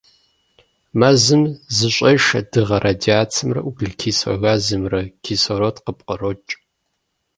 Мэзым зыщӀешэ дыгъэ радиацэмрэ углекислэ газымрэ, кислород къыпкърокӀ.